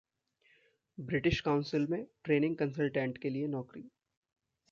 British council में training consultant के लिए नौकरी